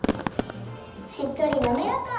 しっとりなめらか！